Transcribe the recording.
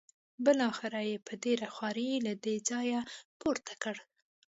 بالاخره یې په ډېره خوارۍ له دې ځایه پورته کړ.